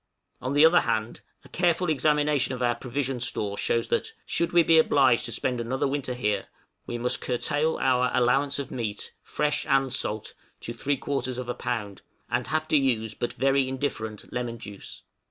On the other hand, a careful examination of our provision store shows that, should we be obliged to spend another winter here, we must curtail our allowance of meat fresh and salt to three quarters of a pound, and have to use but very indifferent lemon juice.